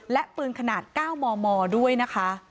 และปืนขนาด๙มมด้วยนะคะ